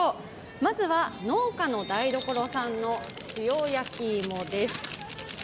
まずは、農家の台所さんの塩やきいもです。